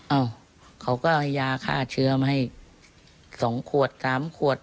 เอ้าเขาก็เอายาฆ่าเชื้อมาให้๒ขวด๓ขวด